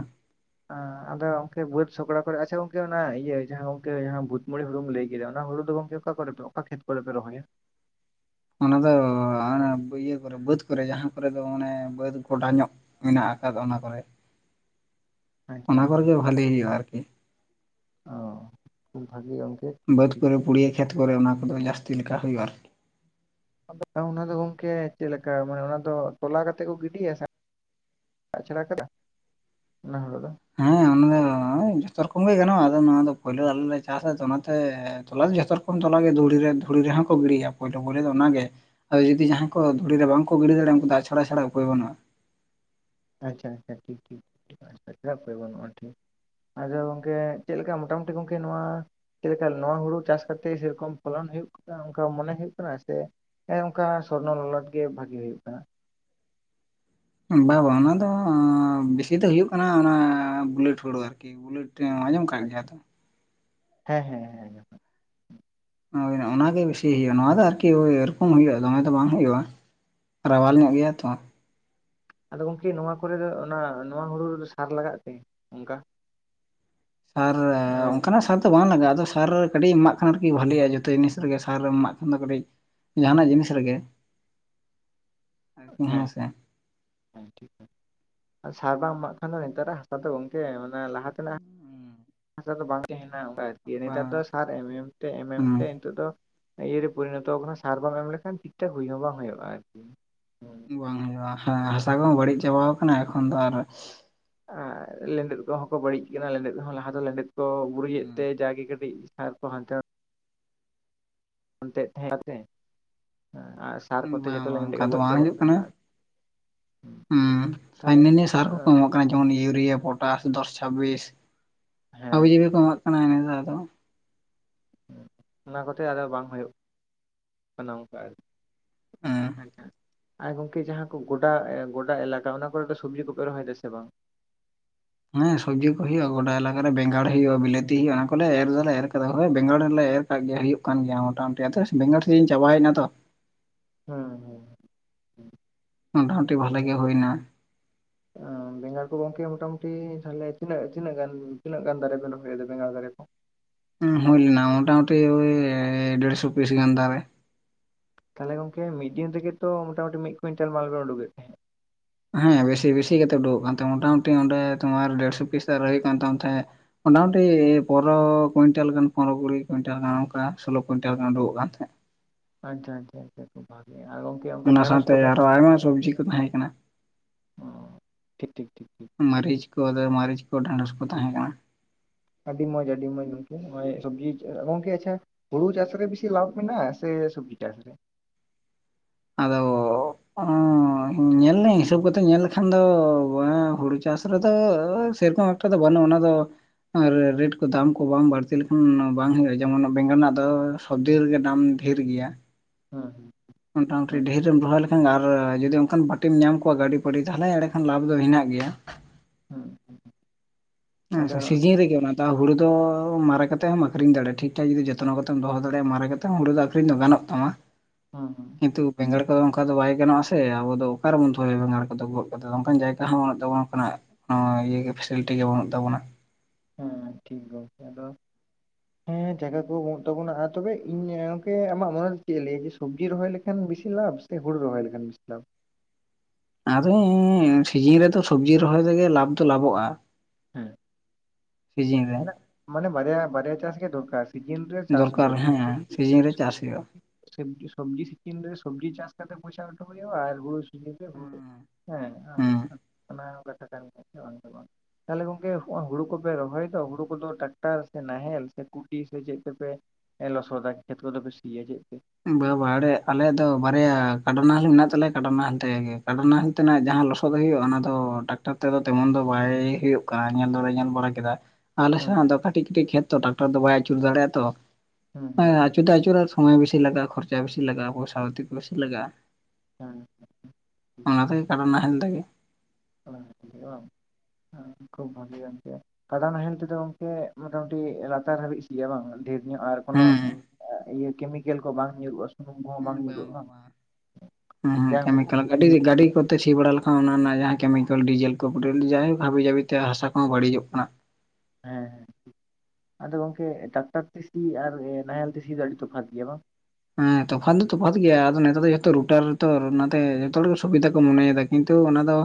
ᱟᱫᱚ ᱚᱢᱠᱮ ᱵᱟᱹᱫᱽ ᱥᱚᱠᱲᱟ ᱠᱚᱨᱮ ᱟᱪᱪᱷᱟ ᱜᱚᱢᱠᱮ ᱚᱱᱟ ᱤᱭᱟᱹ ᱡᱟᱦᱟᱸ ᱜᱚᱝᱠᱮ ᱡᱟᱦᱟᱸ ᱵᱷᱩᱛ ᱢᱩᱹᱲᱤ ᱦᱩᱲᱩᱢ ᱞᱟᱹᱭ ᱠᱮᱫᱟ ᱚᱱᱟ ᱦᱩᱲᱩ ᱫᱚ ᱜᱚᱝᱠᱮ᱾ ᱚᱠᱟ ᱠᱚᱨᱮ ᱯᱮ ᱚᱠᱟ ᱠᱷᱮᱛ ᱠᱚᱨᱮ ᱯᱮ ᱨᱚᱦᱚᱭᱟ᱾ ᱚᱱᱟ ᱫᱚ ᱟᱱᱟ ᱤᱭᱟᱹ ᱠᱚᱨᱮ ᱵᱟᱹᱫᱽ ᱠᱚᱨᱮ ᱡᱟᱦᱟᱸ ᱠᱚᱨᱮ ᱫᱚ ᱚᱱᱮ ᱵᱟᱹᱫᱽ ᱜᱚᱰᱟ ᱧᱚᱜ᱾ ᱢᱮᱱᱟᱜ ᱟᱠᱟᱫ ᱚᱱᱟ ᱠᱚᱨᱮ᱾ [unintelligible] ᱟᱪᱪᱷᱟ ᱚᱱᱟ ᱟᱪᱪᱷᱟ ᱠᱚᱨᱮ ᱜᱮ ᱵᱷᱟᱞᱤ ᱦᱩᱭᱩᱜᱼᱟ ᱟᱨᱠᱤ᱾ ᱚ ᱠᱷᱩᱵᱽ ᱵᱷᱟᱜᱤ᱾ ᱴᱷᱤᱠ ᱵᱟᱹᱫᱽ ᱴᱷᱤᱠ ᱠᱚᱨᱮ ᱯᱩᱲᱭᱟᱹ ᱠᱷᱮᱛ ᱠᱚᱨᱮ ᱚᱱᱟ ᱠᱚᱫᱚ ᱡᱟᱥᱛᱤ ᱞᱮᱠᱟ ᱦᱩᱭᱩᱜᱼᱟ ᱟᱨᱠᱤ᱾ ᱟᱫᱚ ᱚᱱᱟ ᱫᱚ ᱜᱚᱝᱠᱮ ᱪᱮᱫ ᱞᱮᱠᱟ ᱢᱟᱱᱮ ᱚᱱᱟ ᱫᱚ ᱛᱚᱞᱟ ᱠᱟᱛᱮ ᱠᱚ ᱜᱤᱰᱤᱭᱟ ᱥᱮ᱾ ᱟᱪᱪᱷᱟᱲᱟ ᱠᱟᱫᱟ ᱚᱱᱟ ᱦᱩᱲᱩ ᱫᱚ᱾ [unintelligible] ᱡᱚᱛᱚ ᱨᱚᱠᱚᱢ ᱜᱮ ᱜᱟᱱᱚᱜᱼᱟ ᱟᱫᱚ ᱱᱚᱣᱟ ᱫᱚ ᱯᱳᱭᱞᱟᱹ ᱟᱞᱮ ᱞᱮ ᱪᱟᱥᱟ ᱛᱚ ᱚᱱᱟᱛᱮ ᱛᱚᱞᱟ ᱡᱚᱛᱚ ᱨᱚᱠᱚᱢ᱾ ᱠᱚᱢ ᱛᱚᱞᱟ ᱜᱮ ᱫᱷᱩᱲᱤ ᱫᱷᱩᱲᱤ ᱨᱮᱦᱟᱸ ᱠᱚ ᱜᱤᱲᱤᱭᱟ ᱯᱳᱭᱞᱳ ᱯᱚᱨᱮ ᱫᱚ ᱚᱱᱟᱜᱮ᱾ ᱦᱳᱭ ᱡᱩᱫᱤ ᱡᱟᱦᱟᱸ ᱠᱚ ᱫᱷᱩᱲᱤ ᱨᱮ ᱵᱟᱝᱠᱚ ᱜᱤᱰᱤ ᱫᱟᱲᱮᱭᱟᱜᱼᱟ ᱩᱱᱠᱩ ᱫᱚ ᱟᱪᱷᱟᱲᱟ ᱪᱷᱟᱲᱟ ᱩᱯᱟᱹᱭ ᱵᱟᱹᱱᱩᱜᱼᱟ᱾ ᱟᱪᱪᱷᱟ ᱟᱪᱪᱷᱟ ᱴᱷᱤᱠ ᱴᱷᱤᱠ [unintelligible] ᱵᱟᱹᱱᱩᱜᱼᱟ ᱴᱷᱤᱠ ᱟᱡᱷᱟ ᱜᱚᱝᱠᱮ ᱪᱮ ᱞᱮᱠᱟ ᱢᱚᱴᱟ ᱢᱩᱴᱤ ᱜᱚᱝᱠᱮ ᱱᱚᱣᱟ᱾ ᱪᱮᱫ ᱞᱮᱠᱟ ᱱᱚᱣᱟ ᱦᱩᱲᱩ ᱪᱟᱥ ᱠᱟᱛᱮ ᱥᱮ ᱨᱚᱠᱚᱢ ᱯᱚᱞᱟᱱ ᱦᱩᱭᱩᱜ ᱠᱟᱱᱟ ᱚᱱᱠᱟ ᱢᱚᱱᱮ ᱦᱩᱭᱩᱜ ᱠᱟᱱᱟ ᱥᱮ᱾ ᱦᱮᱸ ᱚᱱᱠᱟ ᱥᱚᱨᱱᱚ ᱞᱚᱞᱚᱴ ᱜᱮ ᱵᱷᱟᱜᱤ ᱦᱩᱭᱩᱜ ᱠᱟᱱᱟ᱾ ᱵᱟᱝ ᱵᱟᱝ ᱚᱱᱟ ᱫᱚ ᱵᱮᱥᱤ ᱫᱚ ᱦᱩᱭᱩᱜ ᱠᱟᱱᱟ ᱚᱱᱟ ᱵᱩᱞᱮᱴ ᱦᱩᱲᱩ ᱟᱨᱠᱤ᱾ ᱵᱩᱞᱮᱴ ᱮᱢ ᱟᱸᱡᱚᱢ᱾ ᱠᱟᱜ ᱜᱮᱭᱟ ᱛᱚ ᱟᱪᱪᱷᱟ ᱦᱮᱸ ᱦᱮᱸ ᱦᱮᱸ᱾ ᱦᱳᱭ ᱚᱱᱟᱜᱮ ᱵᱤᱥᱤ ᱦᱩᱭᱩᱜᱼᱟ ᱱᱚᱣᱟ ᱫᱚ ᱟᱨᱠᱤ ᱳᱣᱳᱭ ᱨᱚᱠᱚᱢ ᱦᱩᱭᱩᱜᱼᱟ ᱫᱚᱢᱮ ᱫᱚ ᱵᱟᱝ ᱦᱩᱭᱩᱜᱼᱟ᱾ ᱨᱟᱣᱟᱞ ᱧᱚᱜ ᱜᱮᱭᱟ ᱛᱷᱚᱸ᱾ ᱟᱫᱚ ᱜᱚᱝᱠᱮ ᱱᱚᱣᱟ ᱠᱚᱨᱮ ᱫᱚ ᱚᱱᱟ ᱱᱚᱣᱟ ᱦᱩᱲᱩ ᱨᱮᱫᱚ ᱥᱟᱦᱟᱨ ᱞᱟᱜᱟᱜ ᱛᱮ᱾ ᱚᱱᱠᱟ ᱟᱨ ᱢᱟᱱᱮ ᱚᱱᱠᱟᱱᱟᱜ ᱥᱟᱨ᱾ ᱵᱟᱝ ᱞᱟᱜᱟᱜᱼᱟ ᱟᱫᱚ ᱥᱟᱨ ᱨᱮ ᱠᱟᱹᱴᱤᱡ ᱮᱢᱟᱜ ᱠᱷᱟᱱ ᱟᱨᱠᱤ ᱵᱷᱷᱟᱞᱜᱼᱟ ᱡᱚᱛᱚ ᱡᱤᱱᱤᱥ ᱨᱮᱜᱮ ᱥᱟᱨᱮ ᱮᱢᱟᱜ ᱠᱷᱟᱱ ᱫᱚ ᱠᱟᱹᱴᱤᱡ᱾ ᱡᱟᱦᱟᱱᱟᱜ ᱡᱤᱱᱤᱥ ᱨᱮᱜᱮ᱾ [unintelligible] ᱟᱨᱠᱤ ᱦᱮᱸ ᱥᱮ᱾ ᱦᱮᱸ ᱴᱷᱤᱠ ᱟᱨ ᱥᱟᱨ ᱵᱟᱢ ᱮᱢᱟᱜ ᱠᱷᱟᱱ ᱫᱚ ᱱᱮᱛᱟᱨᱟᱜ ᱦᱟᱥᱟ ᱫᱚ ᱜᱚᱝᱠᱮ ᱢᱟᱱᱮ ᱞᱟᱦᱟ ᱛᱮᱱᱟᱜ᱾ ᱦᱤᱥᱟ ᱫᱚ ᱵᱟᱝ ᱛᱟᱦᱮᱱᱟ ᱟᱨᱠᱤ ᱱᱮᱛᱟᱨ ᱫᱚ ᱵᱟᱝ ᱥᱟᱨ ᱮᱢ ᱮᱢ ᱛᱮ ᱮᱢ ᱦᱩᱸ ᱛᱮ ᱱᱤᱛᱚᱜ ᱫᱚ᱾ ᱤᱭᱟᱹᱨ ᱨᱮ ᱯᱚᱨᱤᱱᱚᱛᱚ ᱟᱠᱟᱱᱟ ᱥᱟᱨ ᱵᱟᱢ ᱮᱢ ᱞᱮᱠᱷᱟᱱ ᱴᱷᱤᱠ ᱴᱷᱟᱠ ᱦᱩᱭ ᱦᱚᱸ ᱵᱟᱝ ᱦᱩᱭᱩᱜᱼᱟ ᱟᱨᱠᱤ᱾ ᱵᱟᱝ ᱦᱩᱭᱩᱜᱼᱟ ᱦᱮᱸ ᱦᱟᱥᱟ ᱠᱚᱦᱚᱸ ᱵᱟᱹᱲᱤᱡ ᱪᱟᱵᱟ ᱟᱠᱟᱱᱟ ᱮᱠᱷᱚᱱ ᱫᱚ ᱟᱨ᱾ ᱟᱨ ᱞᱮᱸᱰᱮᱫ ᱠᱚᱦᱚᱸ ᱠᱚ ᱵᱟᱹᱲᱤᱡ ᱠᱟᱱᱟ ᱞᱮᱸᱰᱮᱫ ᱠᱚᱦᱚᱸ ᱞᱟᱦᱟ ᱫᱚ ᱞᱮᱸᱰᱮᱫ ᱠᱚ ᱵᱩᱨᱤᱡᱮᱫ ᱛᱮ ᱦᱩᱸ ᱡᱟᱜᱮ ᱠᱟᱹᱴᱤᱡ᱾ ᱟᱨ ᱠᱚ ᱦᱟᱱᱛᱮ ᱱᱟᱛᱮ᱾ ᱚᱱᱛᱮ ᱛᱟᱦᱮᱸ ᱠᱟᱛᱮᱸ ᱟᱨ ᱥᱟᱨ ᱠᱚᱛᱮ ᱵᱟᱝ ᱡᱚᱛᱚ ᱵᱟᱝ ᱞᱮᱰᱮᱫ ᱚᱱᱠᱟ ᱠᱚ ᱫᱚ ᱜᱚᱡ ᱪᱟᱵᱟᱜ ᱠᱟᱱᱟ᱾ ᱦᱚᱸ ᱛᱟᱦᱚᱞᱮ ᱦᱤᱱᱟᱹ ᱱᱤᱭᱟ. ᱥᱟᱨ ᱠᱚᱠᱚ ᱮᱢᱚᱜ ᱠᱟᱱᱟ᱾ ᱡᱮᱢᱚᱱ ᱤᱭᱩᱨᱤᱭᱟᱹ, ᱯᱚᱴᱟᱥ, ᱫᱚᱥ ᱪᱷᱟᱵᱵᱤᱥ [unintelligible] ᱠᱚ ᱦᱮᱸ ᱮᱢᱟᱜ ᱠᱟᱱᱟ ᱫᱚ ᱟᱫᱚᱼᱼ ᱚᱱᱟ ᱠᱚᱛᱮ ᱟᱫᱚ ᱵᱟᱝ ᱦᱩᱭᱩᱜ ᱠᱟᱱᱟ ᱚᱱᱠᱟ ᱟᱨᱠᱤ᱾ ᱦᱮᱸ ᱟᱪᱪᱷᱟ᱾ ᱟᱨ ᱜᱚᱝᱠᱮ ᱡᱟᱦᱟᱸ ᱠᱚ ᱜᱚᱰᱟ ᱜᱚᱰᱟ ᱮᱞᱟᱠᱟ ᱚᱱᱟ ᱠᱚᱨᱮ ᱫᱚ ᱥᱚᱵᱡᱤ ᱠᱚᱯᱮ ᱨᱚᱦᱚᱭ ᱫᱟ ᱥᱮ ᱵᱟᱝ? ᱦᱮᱸ ᱥᱚᱵᱡᱤ ᱠᱚ ᱦᱩᱭᱩᱜ-ᱟ᱾ ᱜᱚᱰᱟ ᱮᱞᱟᱠᱟ ᱵᱮᱜᱟᱲ ᱦᱩᱭᱩᱜᱼᱟ, ᱵᱤᱞᱟᱹᱛᱤ ᱦᱩᱭᱩᱜᱼᱟ ᱚᱱᱟ ᱠᱚᱞᱮ ᱮᱨ ᱫᱚᱞᱮ ᱮᱨ ᱟᱠᱟᱫᱟ ᱱᱚᱸᱜ-ᱚᱭ ᱵᱮᱜᱟᱲ ᱞᱮ ᱮᱨᱼᱼᱼ ᱠᱟᱜ ᱜᱮᱭᱟ ᱦᱩᱭᱩᱜ ᱠᱟᱱ ᱜᱮᱭᱟ ᱢᱚᱴᱟᱢᱩᱴᱤ ᱟᱫᱚ ᱵᱮᱜᱟᱲ ᱥᱤᱡᱤᱱ ᱪᱟᱵᱟᱭᱮᱱᱟ ᱛᱚ᱾ ᱦᱩᱸ ᱦᱩᱸ ᱦᱩᱸ᱾ ᱢᱳᱚᱴᱟᱢᱩᱴᱤ ᱵᱷᱟᱞᱮ ᱜᱮ ᱦᱩᱭᱱᱟ᱾ [unintelligible] ᱵᱮᱸᱜᱟᱲ ᱠᱚ ᱜᱚᱝᱠᱮ ᱢᱚᱴᱟᱢᱩᱴᱤᱟ ᱛᱟᱦᱚᱞᱮ ᱛᱤᱱᱟᱹᱜ ᱛᱤᱱᱟᱹᱜ ᱜᱟᱱ ᱛᱤᱱᱟᱹᱜ ᱜᱟᱱ ᱫᱟᱨᱮᱹ ᱵᱮᱱ ᱨᱚᱦᱚᱭᱮᱫᱟ ᱵᱮᱸᱜᱟᱲ ᱫᱟᱨᱮᱹ ᱠᱚ? ᱩᱸ ᱦᱩᱭᱞᱮᱱᱟ ᱢᱳᱚᱴᱟᱢᱩᱴᱤ ᱳᱭ ᱰᱮᱲᱥᱚ ᱯᱤᱥ ᱜᱟᱱ ᱫᱟᱨᱮᱹ᱾ ᱛᱟᱦᱚᱞᱮ ᱜᱚᱝᱠᱮ ᱢᱤᱫ ᱫᱤᱱ ᱛᱮᱜᱮ ᱛᱚ ᱢᱚᱴᱟᱢᱩᱴᱤ ᱢᱤᱫ ᱠᱩᱭᱤᱱᱴᱟᱞ ᱢᱟᱞ ᱵᱮᱱ ᱩᱰᱩᱠ ᱮᱫ ᱛᱟᱸᱦᱮᱫ᱾ ᱦᱮᱸ ᱵᱮᱥᱤ ᱵᱮᱥᱤ ᱠᱟᱛᱮᱫ ᱩᱰᱩᱠᱚᱜ ᱠᱟᱱ ᱛᱟᱦᱮ ᱢᱳᱚᱴᱟᱢᱩᱴᱤ ᱚᱸᱰᱮ ᱛᱳᱢᱟᱨ ᱰᱮᱲᱥᱚ ᱯᱤᱥ ᱨᱮ ᱦᱩᱭᱩᱜᱠᱟᱱ ᱛᱟᱢ ᱛᱟᱦᱮᱸᱡᱼᱼ [unintelligible] ᱢᱚᱴᱟᱢᱩᱴᱤ ᱯᱚᱱᱨᱚ ᱠᱩᱭᱤᱱᱴᱟᱞ ᱜᱟᱱ ᱯᱚᱱᱨᱚ ᱠᱩᱲᱤ ᱠᱩᱭᱱᱴᱟᱞ ᱜᱟᱱ ᱚᱱᱠᱟ ᱥᱳᱞᱳ ᱠᱩᱭᱱᱴᱟᱞ ᱜᱟᱱ ᱩᱰᱩᱵᱴᱜᱚᱜ ᱠᱟᱱ ᱛᱟᱦᱮᱸᱫ᱾ ᱟᱪᱪᱷᱟ ᱟᱪᱪᱷᱟ ᱠᱷᱩᱵ ᱵᱷᱟᱜᱮ ᱟᱨᱼᱼ ᱚᱱᱟ ᱥᱟᱶᱛᱮ ᱟᱨᱚ ᱟᱭᱢᱟ ᱥᱚᱵᱡᱤ ᱠᱚ ᱛᱟᱦᱮᱸᱠᱟᱱᱟ᱾ ᱚ ᱴᱷᱤᱠ ᱴᱷᱤᱠ ᱴᱷᱤᱠ ᱴᱷᱤᱠ ᱢᱟᱨᱟᱹᱨᱤᱪ ᱠᱚ ᱟᱫᱚ ᱢᱟᱨᱟᱹᱨᱤᱪ ᱠᱚ ᱰᱷᱸᱲᱚᱥ ᱠᱚ ᱛᱟᱦᱮᱸ ᱠᱟᱱᱟ᱾ ᱟᱹᱰᱤ ᱢᱚᱸᱡᱽ ᱟᱹᱰᱤ ᱢᱚᱸᱡᱽ ᱜᱚᱝᱠᱮ ᱱᱚᱸᱜ-ᱚᱭ ᱥᱚᱵᱡᱤ ᱜᱚᱝᱠᱮ ᱟᱪᱪᱷᱟᱼᱼ ᱦᱩᱲᱩ ᱪᱟᱥ ᱨᱮ ᱵᱮᱥᱤ ᱞᱟᱵᱷ ᱢᱮᱱᱟᱜᱼᱟ ᱥᱮ ᱥᱚᱵᱡᱤ ᱪᱟᱥ ᱨᱮ? ᱟᱫᱚᱻ ᱚᱸ ᱧᱮᱞᱤᱧ᱾ ᱦᱤᱥᱟᱹᱵ ᱠᱟᱛᱮ ᱧᱮᱞ ᱞᱮᱠᱷᱟᱱ ᱫᱚ ᱦᱩᱲᱩ ᱪᱟᱥ ᱨᱮᱫᱚ ᱥᱮᱨᱚᱠᱚᱢ ᱮᱠᱴᱟ ᱫᱚ ᱵᱟᱹᱱᱩᱜᱼᱟ᱾ ᱚᱱᱟ ᱫᱚᱼᱼ ᱟᱨ ᱨᱮᱴ ᱠᱚ ᱫᱟᱢ ᱠᱚ ᱵᱟᱝ ᱵᱟᱹᱲᱛᱤ ᱞᱮᱠᱷᱟᱱ ᱵᱟᱝ ᱦᱳᱭᱜᱼᱟ ᱡᱮᱢᱚᱱ ᱵᱮᱸᱜᱟᱲ ᱨᱮᱱᱟᱜ ᱫᱚᱼᱼᱼ ᱫᱚᱵᱫᱤᱱ ᱨᱮᱜᱮ ᱫᱟᱢ ᱰᱷᱮᱨ ᱜᱮᱭᱟ᱾ ᱦᱩᱸ ᱦᱩᱸ᱾ ᱢᱚᱴᱟᱢᱩᱴᱤ ᱰᱷᱮᱨᱮᱢ ᱨᱚᱦᱚᱭ ᱞᱮᱠᱷᱟᱱ ᱟᱨ ᱡᱩᱫᱤ ᱚᱱᱠᱟᱱ ᱯᱟᱢᱤᱢ ᱧᱟᱢ ᱠᱚᱣᱟ ᱜᱟᱹᱰᱤ ᱯᱟᱰᱤ ᱛᱟᱦᱚᱞᱮ ᱮᱲᱮ ᱠᱷᱟᱱ ᱞᱟᱵᱷ ᱫᱚ ᱦᱮᱸᱱᱟᱜ ᱜᱮᱭᱟ᱾ ᱦᱩᱸ ᱦᱩᱸ᱾ ᱟᱫᱚ ᱟᱪᱪᱷᱟᱟ ᱥᱤᱡᱤᱱ ᱨᱮᱜᱮ ᱚᱱᱟ᱾ ᱦᱩᱲᱩ ᱫᱚ ᱢᱟᱨᱮ ᱠᱟᱛᱮ ᱦᱚᱢ ᱟᱠᱷᱨᱤᱧ ᱫᱟᱲᱮᱭᱟᱜᱼᱟ ᱴᱷᱤᱠ ᱴᱷᱟᱠ ᱡᱩᱫᱤ ᱡᱚᱛᱱᱚ ᱠᱟᱛᱮᱢ ᱫᱚᱦᱚ ᱫᱟᱲᱮᱭᱟᱜᱼᱟ ᱢᱟᱨᱮ ᱠᱟᱛᱮ ᱦᱚᱸ ᱦᱩᱲᱩ ᱫᱚ ᱟᱠᱷᱨᱤᱧ ᱫᱚ ᱜᱟᱱᱚᱜ ᱛᱟᱢᱟ᱾ ᱦᱩᱸ ᱦᱩᱸ᱾ ᱠᱤᱱᱛᱩ ᱵᱮᱸᱜᱟᱲ ᱠᱚᱫᱚ ᱚᱱᱠᱟ ᱫᱚ ᱵᱟᱭ ᱜᱟᱱᱚᱜᱼᱟ ᱥᱮ ᱟᱵᱚ ᱫᱚ ᱚᱠᱟᱨᱮᱵᱚᱱ ᱫᱚᱦᱚᱭᱟ ᱵᱮᱸᱜᱟᱲ ᱠᱚᱫᱚ ᱜᱚᱫ ᱠᱟᱛᱮᱫ ᱫᱚ ᱚᱱᱠᱟᱱ ᱡᱟᱭᱜᱟ ᱦᱚᱸ ᱩᱱᱟᱹᱜ ᱛᱟᱵᱚᱱ ᱚᱱᱠᱟᱱᱟᱜ᱾ ᱦᱚᱸ ᱤᱭᱟᱹ ᱜᱮ ᱯᱷᱮᱥᱮᱞᱤᱴᱤ ᱜᱮ ᱵᱟᱹᱱᱩᱜ ᱛᱟᱵᱚᱱᱟ᱾ ᱦᱮᱸ ᱴᱷᱤᱠ ᱜᱚᱝᱠᱮ ᱟᱫᱚᱼᱼ ᱦᱮᱸ ᱡᱟᱭᱜᱟ ᱠᱚ ᱵᱟᱹᱱᱩᱜ ᱛᱟᱵᱚᱱᱟ ᱟᱨ ᱛᱚᱵᱮ ᱤᱧ ᱜᱚᱝᱮ ᱟᱢᱟᱜ ᱢᱚᱱᱮᱨᱮ ᱪᱮᱫ ᱞᱟᱹᱭᱟᱼᱼ ᱥᱚᱵᱽᱡᱤ ᱨᱚᱦᱚᱭ ᱞᱮᱠᱷᱟᱱ ᱵᱤᱥᱤ ᱞᱟᱵᱷᱵ ᱥᱮ ᱦᱩᱲᱩ ᱨᱚᱦᱚᱭ ᱞᱮᱠᱷᱟᱱ ᱵᱤᱥᱤ ᱞᱟᱵᱷ? ᱟᱫᱚ ᱥᱤᱡᱤᱱ ᱨᱮᱫᱚ ᱥᱚᱵᱡᱤ ᱨᱚᱦᱚᱭ ᱨᱮᱜᱮ ᱞᱟᱵᱷ ᱫᱚ ᱞᱟᱵᱷᱚᱜᱼᱟ᱾ ᱦᱩᱸ᱾ ᱥᱤᱡᱤᱱ ᱨᱮ᱾ ᱢᱟᱱᱮ ᱵᱨᱭᱟ ᱵᱨᱭᱟ ᱪᱟᱥ ᱜᱮ ᱫᱨᱠᱟᱨ᱾ ᱫᱚᱨᱠᱟᱨ ᱦᱮᱸ, ᱥᱤᱡᱤᱱ ᱨᱮ ᱪᱟᱥ ᱦᱩᱭᱩᱜᱼᱟ᱾ ᱥᱮᱵᱡᱤ ᱥᱚᱵᱡᱤ ᱥᱤᱡᱤᱱ ᱨᱮ ᱥᱚᱵᱡᱤ ᱪᱟᱥ ᱠᱟᱛᱮ ᱯᱚᱭᱥᱟᱴᱚ ᱢᱤᱫᱴᱟᱝ ᱦᱩᱭᱩᱜ-ᱟ ᱟᱨᱦᱩᱼᱼᱼ ᱧᱤᱫᱟᱹ ᱵᱷᱳᱨ ᱦᱮᱸ ᱟᱸ ᱦᱮᱸ ᱚᱱᱟ ᱦᱚᱸ ᱠᱟᱛᱷᱟᱼᱼ ᱠᱟᱱ ᱜᱮ ᱥᱮ ᱵᱟᱝ ᱫᱚ ᱠᱟᱝ ᱛᱟᱦᱞᱮ ᱦᱚᱸᱜᱼᱚᱭ ᱦᱩᱲᱩ ᱠᱚᱯᱮ ᱨᱚᱦᱚᱭᱼᱼ ᱫᱚ ᱦᱩᱲᱩ ᱠᱚᱫᱚ ᱴᱟᱠᱴᱟᱨ ᱥᱮ, ᱱᱟᱦᱮᱞ ᱥᱮ, ᱠᱩᱴᱤ ᱥᱮ ᱪᱮᱫ ᱛᱮᱯᱮᱼᱼᱼ ᱮ ᱞᱚᱥᱚᱫᱟ ᱠᱷᱮᱛ ᱠᱚᱫᱚᱯᱮ ᱥᱤᱭᱟ ᱪᱮᱫ ᱛᱮ? ᱵᱟᱵᱟᱲᱮ ᱟᱞᱮᱭᱟᱜ ᱫᱚ ᱵᱟᱨᱭᱟ ᱠᱟᱰᱟ ᱱᱟᱦᱮᱞ ᱢᱮᱱᱟᱜ ᱛᱟᱞᱮᱭᱟ ᱠᱟᱰᱟ ᱱᱟᱦᱮᱞ ᱛᱮᱜᱮ ᱠᱟᱰᱟᱱᱟᱦᱮᱞᱼᱼᱼ ᱛᱮᱱᱟᱜ ᱡᱟᱦᱟᱸ ᱞᱚᱥᱚᱫ ᱦᱩᱭᱩᱜᱼᱟ ᱚᱱᱟ ᱫᱚ ᱴᱟᱠᱴᱟᱨ ᱛᱮᱫᱚ ᱛᱮᱢᱚᱱ ᱫᱚ ᱵᱟᱭ ᱦᱳᱜ ᱠᱟᱱᱟ ᱧᱮᱞ ᱫᱚᱞᱮ ᱧᱮᱞ ᱵᱟᱲᱟ ᱠᱮᱫᱟ᱾ ᱟᱞᱮ ᱦᱮᱸ [unintelligible] ᱟᱫᱚ ᱠᱟᱹᱴᱤᱡ ᱠᱟᱹᱴᱤᱡ ᱠᱷᱮᱛ ᱛᱚ ᱴᱟᱠᱴᱟᱨ ᱫᱚ ᱵᱟᱭ ᱟᱹᱪᱩᱨ ᱫᱟᱲᱮᱜᱼᱟ ᱛᱚ ᱦᱮᱸ ᱮᱸ ᱟᱪᱩᱨ ᱫᱚ ᱟᱹᱪᱩᱨᱚᱜᱟ ᱥᱚᱢᱚᱭ ᱵᱥᱼᱼ ᱥᱤ ᱞᱟᱜᱟ ᱠᱷᱚᱨᱪᱟ ᱵᱮᱥᱤ ᱞᱟᱜᱟ ᱯᱚᱭᱥᱟ [unintelligible] ᱯᱚᱭᱥᱟ ᱞᱟᱜᱼᱟ᱾ [inaudible] ᱚᱱᱟ ᱛᱮᱜᱮ ᱠᱟᱰᱟ ᱱᱟᱦᱮᱞ ᱛᱮᱜᱮ᱾ [inaudible] ᱠᱷᱩᱵ ᱵᱷᱟᱹᱜᱮ ᱠᱟᱱ ᱛᱟᱭᱟ᱾ ᱠᱟᱫᱟ ᱱᱟᱦᱮᱞ ᱛᱮᱫᱚ ᱜᱚᱝᱠᱮ ᱢᱚᱴᱟᱢᱩᱴᱤ ᱞᱟᱛᱟᱨ ᱦᱟᱹᱵᱤᱡ ᱥᱤ-ᱟ ᱵᱟᱝ ᱰᱷᱮᱨ ᱤᱧᱟᱜ ᱟᱨ ᱠᱳᱱᱳ ᱦᱮᱸ ᱤᱭᱟᱹ ᱠᱮᱢᱤᱠᱮᱞ ᱠᱚ ᱵᱟᱝ ᱧᱩᱨᱩᱜᱼᱟ ᱩᱵ ᱠᱚᱦᱚᱸ ᱵᱟᱝ ᱧᱩᱨᱩᱜᱼᱟ ᱵᱟᱝ ᱡᱟ [unintelligible] ᱟᱹᱰᱤ ᱜᱤ ᱜᱟᱹᱰᱤ ᱠᱚᱛᱮ ᱥᱤ ᱵᱟᱲᱟ ᱞᱮᱠᱷᱟᱱ ᱚᱱᱟ ᱨᱮᱱᱟᱜ ᱡᱟᱦᱟᱸ ᱠᱮᱢᱤᱠᱮᱞ ᱰᱤᱡᱮᱞ ᱠᱚ ᱯᱮᱴᱳᱞ ᱡᱟᱭᱳᱠ ᱦᱟᱵᱤ ᱡᱟᱹᱵᱤᱛᱮ ᱦᱟᱥᱟ ᱠᱚᱦᱚᱸ ᱵᱟᱹᱲᱤᱡᱚᱜ ᱠᱟᱱᱟ᱾ ᱦᱮᱸ ᱦᱮᱸ ᱟᱫᱚ ᱜᱚᱝᱠᱮ ᱴᱟᱠᱴᱟᱨ ᱛᱮ ᱥᱤ ᱟᱨ ᱱᱟᱦᱮᱞ ᱛᱮ ᱥᱤ ᱫᱚ ᱟᱹᱰᱤ ᱛᱚᱯᱷᱟᱛ ᱜᱮᱭᱟ ᱵᱟᱝ? ᱦᱮᱸ ᱛᱚᱯᱷᱟᱛ ᱫᱚ ᱛᱚᱯᱷᱟᱛ ᱜᱮᱭᱟ ᱟᱫᱚ ᱱᱮᱛᱟᱨ ᱫᱚ ᱡᱚᱛᱚ ᱨᱩᱴᱟᱨ ᱨᱮᱛᱚ ᱚᱱᱟᱛᱮ ᱡᱚᱛᱚ ᱦᱚᱲ ᱜᱮ ᱥᱩᱵᱤᱫᱷᱟ ᱠᱚ ᱢᱚᱱᱮᱭ ᱫᱟ᱾ ᱠᱤᱱᱛᱩ ᱚᱱᱟ ᱫᱚ,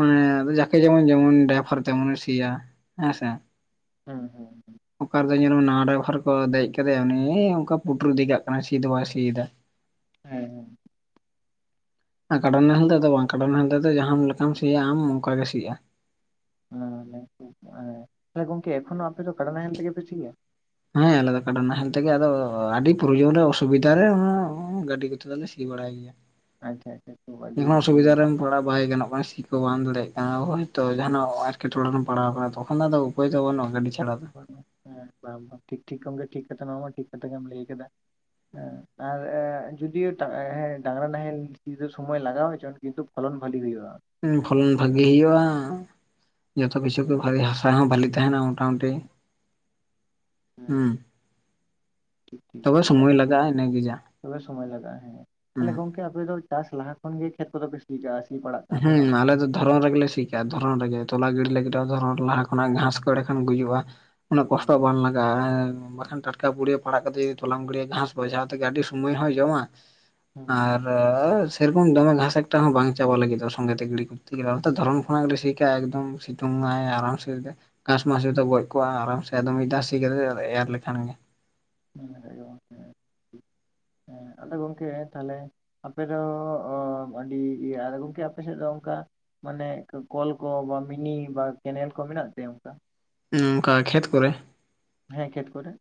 ᱚᱱᱮ ᱟᱫᱚ ᱢᱟᱠᱮ ᱡᱮᱢᱚᱱ ᱡᱮᱢᱚᱱ ᱰᱟᱭᱵᱷᱟᱨ ᱛᱮᱢᱚᱱᱮ ᱥᱤᱭᱟ ᱦᱮᱸ ᱥᱮ᱾ ᱦᱩᱸ ᱦᱩᱸ [inaudible] ᱚᱠᱟ ᱨᱮᱫᱚ ᱧᱮᱞᱢᱮ ᱱᱟᱣᱟ ᱰᱟᱭᱵᱷᱟᱨ ᱠᱚ ᱫᱮᱡ ᱠᱟᱫᱮᱭᱟ ᱩᱱᱤ ᱚᱝᱠᱟ ᱯᱩᱴᱩᱨ ᱤᱫᱤ ᱠᱟᱜ ᱠᱟᱱᱟ ᱥᱤ ᱫᱚ ᱵᱟᱭ ᱥᱤᱭ ᱫᱟ᱾ ᱦᱮᱸ ᱦᱮᱸ, ᱟ ᱠᱟᱰᱟ ᱱᱟᱦᱮᱞ ᱫᱚ ᱵᱟᱝ ᱠᱟᱰᱟ ᱱᱟᱦᱮᱞ ᱛᱮᱫᱚ ᱡᱟᱦᱟᱸ ᱞᱮᱠᱟᱢ ᱥᱤᱭᱟ ᱟᱢ ᱚᱝᱠᱟ ᱜᱮ ᱥᱤᱜᱼᱟ᱾ [inaudible] ᱛᱟᱦᱞᱮ ᱜᱚᱝᱠᱮ ᱮᱠᱷᱚᱱᱳ ᱟᱯᱮ ᱫᱚ ᱠᱟᱰᱟ ᱱᱟᱦᱮᱞ ᱛᱮᱜᱮ ᱯᱮ ᱥᱤᱭᱟ? ᱦᱮᱸ ᱟᱞᱮᱫᱟ ᱠᱟᱰᱟ ᱵᱟᱦᱮᱞ ᱛᱮᱜᱮ ᱟᱫᱚ ᱟᱹᱰᱤ ᱯᱨᱚᱭᱳᱡᱚᱱ ᱨᱮ ᱚᱥᱩᱵᱤᱫᱟ ᱨᱮ [inaudible] ᱜᱟᱹᱰᱤ ᱠᱚᱛᱮ ᱫᱚᱞᱮ ᱥᱤ ᱵᱟᱲᱟᱭᱟ᱾ ᱮᱭᱟ, ᱟᱪᱪᱷᱟ [inaudible] ᱟᱹᱰᱤ ᱟᱹᱰᱤ᱾ ᱛᱷᱚᱲᱟ ᱵᱟᱭ ᱜᱟᱱᱚᱜ ᱠᱟᱱᱟ ᱥᱤ ᱠᱚ ᱵᱟᱢ ᱫᱟᱲᱮᱭᱟᱜ ᱠᱟᱱᱟ ᱦᱭᱛᱚ ᱡᱟᱦᱟᱱᱟᱜ ᱟᱨᱠᱮᱴᱚᱟᱨᱮᱢ ᱯᱟᱲᱟᱣ ᱟᱠᱟᱱᱟ ᱛᱚᱠᱷᱚᱱ ᱫᱚ ᱟᱫᱚ ᱩᱯᱟ. ᱭ ᱛᱚ ᱱᱟᱱᱩᱜ-ᱟ ᱜᱟᱹᱰᱤ ᱪᱷᱟᱲᱟ᱾ ᱫᱚ [inaudible] ᱵᱟᱝ ᱵᱟ ᱴᱷᱤᱠ ᱴᱷᱤᱠ ᱴᱷᱤᱠᱚᱢ ᱜᱮ ᱴᱷᱤᱠ [unintelligible] ᱴᱷᱤᱠ ᱠᱟᱛᱷᱟ ᱜᱮᱢ ᱞᱟᱹᱭ ᱠᱟᱫᱟ᱾ ᱮᱸ ᱟᱨ ᱡᱚᱫᱤᱸᱭᱳ ᱴᱟ ᱦᱮᱸ ᱰᱟᱝᱨᱟ ᱱᱟᱦᱮᱞ ᱥᱤᱫᱚ ᱥᱚᱢᱚᱭ ᱞᱟᱜᱟᱣ ᱦᱚᱪᱚᱱ ᱠᱤᱱᱛᱩ, ᱯᱷᱚᱞᱚᱱ ᱵᱷᱟᱞᱤ ᱦᱩᱭᱩᱜᱼᱟ᱾ ᱩᱸ ᱯᱷᱚᱞᱚᱱ ᱟᱨᱠᱤ᱾ ᱦᱮᱸ ᱵᱷᱟᱹᱜᱤ ᱦᱩᱭᱩᱜᱼᱟ᱾ ᱡᱚᱛᱚ ᱠᱤᱪᱷᱩ ᱜᱮ ᱵᱷᱟᱞᱮ ᱦᱟᱥᱟ ᱦᱚᱸ ᱵᱷᱟᱞᱤ ᱛᱟᱦᱮᱱᱟ ᱢᱚᱴᱟᱢᱩᱴᱤ᱾ ᱦᱩᱸ ᱛᱚᱵᱮ [inaudible] ᱥᱚᱢᱚᱭ ᱞᱟᱜᱟᱜᱼᱟ ᱤᱱᱟᱹᱜᱮ ᱡᱟ ᱛᱟᱦᱞᱮ ᱥᱚᱢᱚᱭ ᱞᱟᱜᱟᱜ-ᱟ ᱦᱮᱸ ᱦᱩᱸ ᱛᱟᱦᱞᱮ ᱜᱚᱝᱠᱮ ᱟᱯᱮ ᱫᱚ ᱪᱟᱥ ᱞᱟᱦᱟ ᱠᱷᱚᱱ ᱜᱮ ᱠᱷᱮᱛ ᱠᱚᱫᱚ ᱞᱮ ᱥᱤ ᱠᱟᱜᱼᱟ ᱥᱤ ᱯᱟᱲᱟᱜ, ᱠᱟᱜᱼᱟ ᱯᱮ ᱦᱩᱸ ᱵᱟᱝ? ᱟᱞᱮ ᱫᱚ ᱫᱷᱚᱨᱚᱱ ᱨᱮᱜᱮᱞᱮ ᱥᱤᱼᱼ ᱠᱟᱜᱼᱟ ᱫᱷᱚᱨᱚᱱ ᱨᱮᱜᱮ ᱛᱚᱞᱟ ᱜᱤᱰᱤ ᱞᱟᱹᱜᱤᱫ ᱦᱚᱸ ᱫᱷᱚᱨᱚᱱ ᱨᱮ ᱞᱟᱦᱟ ᱠᱷᱚᱱᱟᱜ ᱜᱷᱟᱸᱥ ᱠᱚ ᱮᱲᱮᱠᱷᱟᱱ ᱜᱩᱡᱩᱜᱼᱟ᱾ ᱩᱱᱟ. ᱜ ᱠᱚᱥᱴᱚ ᱦᱮᱸ ᱵᱟᱝ ᱞᱟᱜ ᱮ ᱵᱟᱠᱷᱟᱱᱼᱼ ᱴᱟᱴᱠᱟ ᱯᱩᱲᱤᱭᱟᱹ ᱯᱟᱲᱟᱜ ᱠᱟᱛᱮ ᱡᱩᱫᱤ ᱛᱚᱞᱟᱢ ᱜᱮᱲᱤᱭᱟᱹ ᱜᱷᱟᱸᱥ ᱠᱚᱨᱮ ᱡᱟᱦᱟ ᱛᱮᱜᱮ ᱟᱹᱰᱤ ᱥᱩᱢᱟᱹᱭ ᱦᱚᱸᱭ ᱡᱚᱢᱟ ᱟᱨ, ᱦᱩᱸ ᱟᱹ ᱥᱮ ᱨᱚᱠᱚᱢ ᱫᱚᱢᱮ ᱜᱷᱟᱥ ᱮᱠᱴ ᱦᱚᱸ ᱵᱟᱝ ᱪᱟ ᱪᱟᱵᱟ ᱞᱟᱜᱤᱫᱚᱜᱼᱟ ᱥᱚᱸᱜᱮ ᱛᱮ ᱜᱤᱲᱤ ᱠᱚᱛᱮ ᱜᱮᱞᱮ ᱚᱨᱛᱷᱟᱛ ᱫᱷᱚᱨᱚᱱ ᱠᱷᱚᱱᱟᱜᱮᱞᱮ ᱥᱤᱠᱟᱜᱼᱟ ᱮᱫᱚᱢ ᱥᱤᱛᱩᱝᱢᱟᱭ ᱟᱨᱟᱢ ᱥᱮ ᱜᱷᱟᱥ ᱢᱟᱥ ᱡᱚᱛᱚ ᱦᱮᱸ ᱜᱚᱡ ᱠᱚᱜᱼᱟ ᱟᱨᱟᱢ ᱥᱮ ᱢᱤᱫ ᱫᱷᱟ ᱥᱤ ᱠᱟᱛᱮ ᱮᱨ ᱞᱮᱠᱷᱟᱱ ᱜᱮ᱾ [inaudible] ᱟᱫᱚ ᱜᱚᱝᱠᱮ ᱟᱨ ᱛᱟᱦᱟᱞᱮ, ᱟᱯᱮᱚ ᱚᱢ ᱟᱹᱰᱤ ᱤᱭᱟᱹ ᱟᱨ ᱜᱚᱝᱠᱮ ᱟᱯᱮ ᱥᱮᱜ ᱫᱚ ᱚᱝᱠᱟ, ᱢᱟᱱᱮ ᱠᱚᱞ ᱠᱚ ᱵᱟ ᱢᱤᱱᱤ ᱵᱟ ᱠᱮᱱᱮᱞ ᱠᱚ ᱢᱮᱱᱟᱜ [unintelligible] ᱚᱝᱠᱟ? ᱩᱸ ᱱᱚᱝᱠᱟ ᱠᱷᱮᱛ ᱠᱚᱨᱮ? ᱦᱮᱸ ᱠᱷᱮᱛ ᱠᱚᱨᱮᱜ?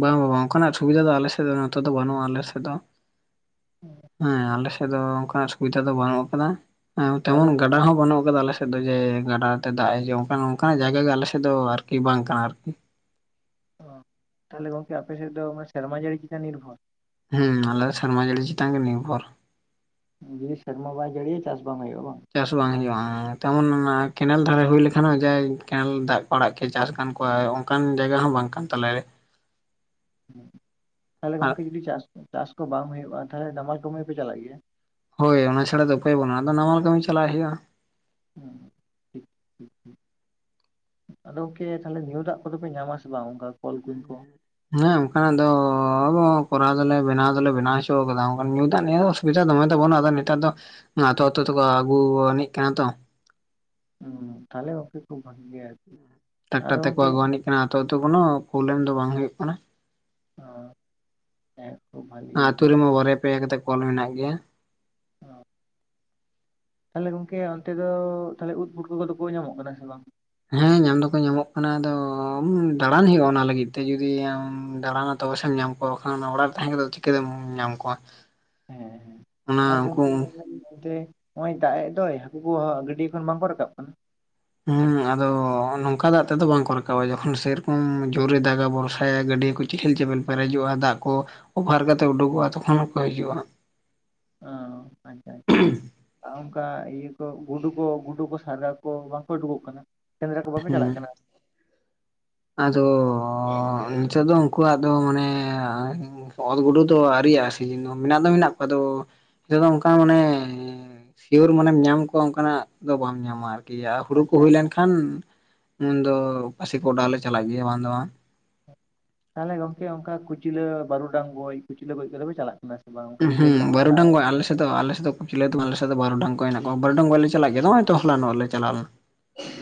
ᱵᱟᱝ ᱵᱟᱝ ᱚᱱᱠᱟᱱᱟᱜ ᱥᱩᱵᱤᱫᱟ ᱫᱚ ᱟᱞᱮ ᱥᱮᱫ ᱫᱚ ᱱᱚᱛᱮ ᱫᱚ ᱵᱟᱹᱱᱩᱜᱼᱟ ᱟᱞ ᱥᱮᱫ ᱫᱚ ᱦᱮᱸ ᱟᱞᱮ ᱥᱮᱜ ᱟᱫᱚ ᱚᱱᱠᱟᱱᱟᱜ ᱥᱩᱵᱤᱫᱷᱟ ᱫᱚ ᱵᱟᱹᱱᱩᱜ ᱟᱠᱟᱫᱟ ᱛᱟᱦᱚᱞᱮ ᱛᱮᱢᱚᱱ ᱜᱚᱝᱠᱮ ᱜᱟᱰᱟ ᱦᱚᱸ ᱵᱟᱹᱱᱩᱜ ᱟᱠᱟᱫᱟ ᱟᱞ ᱥᱮᱫ ᱾ ᱟᱞ ᱥᱮᱫ ᱫᱚ ᱡᱮ ᱜᱟᱰᱟᱛᱮ ᱫᱟᱜ ᱦᱤᱡᱩᱜ ᱚᱱᱠᱟ ᱚᱱᱠᱟᱱᱟᱜ ᱡᱟᱭᱜᱟ ᱜᱮ ᱟᱞᱮᱥᱮᱫ ᱫᱚ ᱟᱨᱠᱤ ᱵᱟᱝ ᱠᱟᱱᱟ ᱟᱨᱠᱤ ᱾ ᱚ ᱛᱟᱦᱚᱞᱮ ᱜᱚᱝᱠᱮ ᱟᱯᱮ ᱥᱮᱫ ᱫᱚ ᱥᱮᱨᱢᱟ ᱡᱟᱹᱲᱤ ᱪᱮᱛᱟ ᱱᱤᱨᱵᱷᱚᱨ ᱾ ᱦᱩᱸ ᱟᱞ ᱥᱮᱟᱨᱢᱟ ᱡᱟᱲᱤ ᱪᱤᱛᱟᱱ ᱨᱮ ᱜᱮ ᱱᱤᱨᱵᱷᱚᱨ ᱾ ᱡᱫᱤ ᱥᱮᱨᱢᱟ ᱵᱟᱭ ᱡᱟᱹᱲᱤᱭ ᱪᱟᱥ ᱵᱟᱝ ᱦᱩᱭᱩᱜᱼᱟ ᱵᱟᱝ ᱾ ᱪᱟᱥ ᱵᱟᱝ ᱦᱩᱭᱩᱜᱼᱟ ᱛᱮᱢᱚᱱ ᱚᱱᱟ ᱠᱮᱱᱮᱞ ᱫᱷᱟᱨᱮ ᱦᱩᱭ ᱞᱮᱠᱷᱟᱱ ᱦᱚᱸ ᱡᱮ ᱠᱮᱱᱮᱞ ᱫᱟᱜ ᱠᱚ ᱟᱲᱟᱜ ᱠ ᱪᱟᱥ ᱟᱠᱟᱱ ᱠᱚᱣᱟᱭ ᱾ ᱚᱱᱠᱟᱱ ᱡᱟᱭᱜᱟ ᱦᱚᱸ ᱵᱟᱝ ᱠᱟᱱ ᱛᱟᱞᱟᱨᱮ ᱾ ᱛᱟᱦᱚᱞᱮ ᱟᱨ ᱜᱚᱝᱠᱮ ᱡᱩᱫᱤ ᱪᱟᱥ ᱪᱟᱥ ᱠᱚ ᱵᱟᱝ ᱦᱩᱭᱩᱜᱼᱟ ᱛᱟᱦᱚᱞᱮ ᱱᱟᱢᱟᱞ ᱠᱚᱢᱤᱯᱮ ᱪᱟᱞᱟᱜ ᱜᱮᱭᱟ ᱾ ᱦᱭ ᱚᱱᱟᱥᱷᱟᱲᱲᱟ ᱫᱚ ᱩᱯᱟᱹᱭ ᱵᱟᱹᱱᱩᱜ ᱟ ᱱᱟᱣᱟᱟᱞ ᱠᱟᱹᱢᱤ ᱪᱟᱞᱟᱜ ᱦᱩᱭᱩᱜᱼᱟ ᱾ ᱦᱮᱸ ᱴᱷᱤᱠ ᱴᱷᱤᱠ ᱦᱸ ᱾ ᱟᱫᱚ ᱜᱝᱠᱮ ᱛᱟᱦᱦᱮ ᱧᱩ ᱫᱟᱜ ᱠᱚᱫᱚᱯᱮ ᱧᱟᱢᱟᱥᱮ ᱵᱟᱝ ᱚᱱᱠᱟ ᱠᱚᱞ ᱠᱩᱧ ᱠᱚ ᱾ ᱦᱮᱸ ᱚᱱᱠᱟᱱᱟᱜ ᱫᱚ ᱾ ᱦ ᱠᱚᱨᱟᱣ ᱫᱚᱟᱞᱮ ᱵᱮᱱᱟᱣ ᱫᱚᱞᱮ ᱵᱮᱱᱟᱣ ᱦᱚᱪᱚᱣ ᱠᱟᱫᱟ ᱧᱩ ᱫᱟᱜ ᱱᱤᱭᱟᱹ ᱫᱚ ᱚᱥᱩᱵᱤᱫᱟ ᱫᱚᱢᱮ ᱛᱟᱵᱟᱹᱱᱩᱜ ᱟ ᱱᱮᱛᱟᱨ ᱫᱚ ᱾ ᱟᱹᱛᱩ ᱟᱹᱛᱩ ᱛᱠᱚ ᱟᱹᱜᱩ ᱟᱹᱱᱤᱡ ᱠᱟᱱᱟ ᱛᱚ ᱾ ᱦ ᱛᱟᱦᱮ ᱚᱠᱮ ᱠᱷᱩᱵ ᱵᱷᱟᱜ ᱜᱮᱭᱟ ᱟᱨᱠᱤ ᱾ ᱴᱟᱠᱴᱟᱨ ᱛᱮᱠᱚ ᱟᱹᱜᱩᱣᱱᱤᱡᱜ ᱠᱟᱱᱟ ᱟᱛᱳᱛᱚ ᱠᱳᱱᱳ ᱯᱨᱚᱵᱞᱮᱢ ᱫᱚ ᱵᱟᱝ ᱦᱩᱭᱩᱜ ᱠᱟᱱᱟ ᱚ ᱦᱮᱸ ᱠᱷᱩᱵ ᱵᱷᱟᱞᱤ ᱾ ᱟᱹᱛᱩ ᱠᱟᱛᱷᱟ᱾ ᱨᱮᱢᱟ ᱵᱚᱨᱭᱟ ᱯᱮᱭᱟ ᱠᱟᱛᱮ ᱠᱚᱞ ᱢᱮᱱᱟᱜ ᱜᱮᱭᱟ ᱾ ᱦᱮᱸ᱾ ᱛᱟᱦᱞᱮ ᱜᱚᱝᱠᱮ ᱚᱱᱛᱮ ᱫᱚ ᱛ ᱩᱫ ᱯᱷᱩᱴ ᱠᱚ ᱠᱚᱫᱚ ᱠᱚ ᱧᱟᱢᱚᱜ ᱠᱟᱱᱟ ᱥᱮ ᱵᱟᱝ? ᱦᱮᱸ ᱧᱟᱢ ᱫᱚᱠᱚ ᱧᱟᱢᱚᱜ ᱠᱟᱱᱟ ᱟᱫᱚ ᱫᱟᱟᱲᱟᱱ ᱦᱩᱭᱩᱜᱼᱟ ᱚᱱᱟ ᱞᱟᱹᱜᱤᱫ ᱛᱮ ᱡᱩᱚᱫᱤ ᱟᱢ ᱫᱟᱲᱟᱱᱟ‌ ᱾ ᱛᱚᱵᱮᱥᱮᱢ ᱧᱟᱢ ᱠᱚᱣᱟ ᱵᱟᱠᱷᱟᱱ ᱚᱲᱟᱨ ᱨᱮ ᱛᱟᱦᱮᱸ ᱠᱟᱛᱮᱛ ᱪᱤᱠᱟᱹᱛᱮᱢ ᱧᱟᱢ ᱠᱚᱣᱟ ᱾ ᱦᱮᱸ ᱦᱮᱸ ᱟᱨ ᱜᱚᱝᱠᱮ [inaudible] ᱾ ᱱᱚᱜ ᱫᱟᱜ ᱮ ᱫᱚᱭ ᱦᱟᱹᱠᱩ ᱠᱚ ᱜᱟᱹᱰᱤ ᱠᱷᱚᱱ ᱵᱟᱝᱠᱚ ᱨᱟᱠᱟᱵ ᱠᱟᱱᱟ ᱾ ᱦᱮᱸ ᱟᱫᱚ ᱱᱚᱝᱠᱟ ᱫᱟᱜ ᱛᱮᱫᱚ ᱵᱟᱝᱠᱚ ᱨᱟᱠᱟ ᱡᱚᱠᱷᱚᱱ ᱥᱮᱨᱚᱠᱚᱢ ᱡᱳᱚᱨᱮ ᱫᱟᱜᱟ ᱵᱷᱚᱨᱥᱟᱭᱟ ᱜᱟᱹᱰᱤᱭᱟᱹ ᱠᱚ ᱾ ᱪᱮᱦᱮᱞ ᱪᱮᱯᱮᱞ ᱯᱮᱨᱮᱡᱚᱜᱼᱟ ᱫᱟᱜ ᱠᱚ ᱚᱯᱷᱟᱨ ᱠᱟᱛᱮ ᱩᱰᱩᱠᱚᱜᱼᱟ ᱛᱚᱠᱷᱚᱱ ᱦᱚᱸᱠᱚ ᱦᱤᱡᱩᱜᱼᱟ ᱾ ᱚ ᱟᱪᱷᱟ ᱟᱪᱷᱟ ᱾ ᱟᱨ ᱚᱱᱠᱟ ᱤᱭᱟᱹ ᱠᱚ ᱜᱩᱰᱩ ᱠᱚ ᱜᱩᱰᱩ ᱠᱚ ᱥᱟᱨᱫᱟ ᱠᱚ ᱵᱟᱝᱠᱚ ᱩᱰᱩᱠᱚᱜ ᱠᱟᱱᱟ ᱾ ᱥᱮᱸᱫᱽᱨᱟ ᱠᱚ ᱵᱟᱯᱮ ᱦᱩᱸ ᱪᱟᱞᱟᱜ ᱠᱟᱱᱟ? ᱟᱫᱚ ᱱᱤᱛᱚᱜ ᱫᱚ ᱩᱱᱠᱩᱣᱟᱜ ᱟᱫᱚ ᱢᱟᱱᱮ ᱾ ᱚᱞ ᱜᱩᱰᱩ ᱫᱚ ᱟᱹᱣᱤᱭᱜᱼᱟ ᱥᱤᱡᱤᱱ ᱫᱚ ᱢᱮᱱᱟᱜ ᱫᱚ ᱢᱮᱱᱟᱜ ᱠᱚᱣᱟ ᱱᱤᱛᱚᱜ ᱫᱚ ᱚᱱᱠᱟ ᱢᱟᱱᱮ ᱾ ᱥᱤᱭᱳᱨ ᱢᱟᱱᱮᱢ ᱧᱟᱢ ᱠᱚᱣᱟ ᱚᱱᱠᱟᱱᱟᱜ ᱫᱚ ᱵᱟᱢ ᱧᱟᱢᱟ ᱟᱨᱠᱤ ᱾ ᱜᱮᱭᱟ ᱦᱩᱲᱩ ᱠᱚ ᱟᱪᱪᱷᱟ ᱦᱩᱭ ᱟᱪᱪᱷᱟ ᱞᱮᱱᱠᱷᱟᱱ ᱩᱱᱫᱚ ᱯᱥᱤ ᱠᱚ ᱚᱰᱟᱣ ᱞᱮ ᱪᱟᱞᱟᱜ ᱜᱮᱭᱟ ᱵᱟᱝ ᱫᱚ ᱵᱟᱝ ᱾ ᱛᱟᱦᱚᱞᱮ ᱜᱚᱝᱠᱮ ᱚᱱᱠᱟ ᱠᱩᱪᱞᱟᱹ ᱵᱟᱹᱨᱩᱰᱟᱝ ᱜᱚᱡ ᱠᱩᱪᱞᱟᱹ ᱜᱚᱡ ᱠᱟᱛᱮᱫᱚᱮ ᱪᱟᱞᱟᱜ ᱠᱟᱱᱟ ᱾ ᱦᱩᱸ ᱵᱟᱹᱨᱩᱰᱟᱝᱜ ᱟᱞᱮ ᱥᱮ ᱾ ᱟᱮᱫ ᱫᱚ ᱟᱞᱮᱥᱮᱫ ᱫᱚ ᱯ ᱪᱞᱟᱹ ᱛᱟᱢ ᱟᱞᱮᱮᱫ ᱵᱟᱨᱚᱰᱟᱝ ᱠᱚ ᱦᱮ ᱠᱚᱣᱟ ᱵᱟᱨᱰᱟᱝ ᱵᱟ ᱞᱮ ᱪᱟᱞᱟᱜ ᱜᱮᱭᱟ ᱱᱚᱜᱚᱭ ᱛᱚᱞᱟᱟᱱ ᱱᱚ ᱟ ᱞᱮ ᱪᱟᱞᱟᱣᱱᱟ ᱾